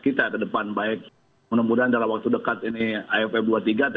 karena mereka masih karantina